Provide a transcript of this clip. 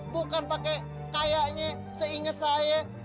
bukan pake kayaknya seinget saya